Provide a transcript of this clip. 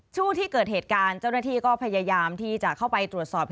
ช่วงที่เกิดเหตุการณ์เจ้าหน้าที่ก็พยายามที่จะเข้าไปตรวจสอบ